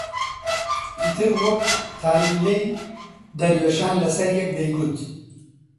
ئیتر وەک تالیلەی دەروێشان لەسەر یەک دەیگوت: